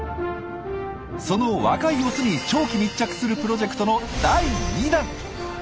その若いオスに長期密着するプロジェクトの第２弾！